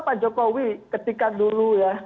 pak jokowi ketika dulu ya